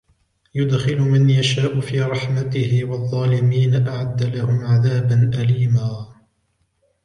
يدخل من يشاء في رحمته والظالمين أعد لهم عذابا أليما